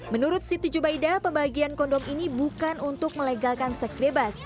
menurut siti jubaida pembagian kondom ini bukan untuk melegalkan seks bebas